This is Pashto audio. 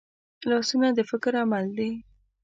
لاسونه د فکر عمل دي